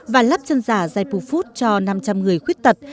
và lắp chân giả zai pu food cho năm trăm linh người khuyết tật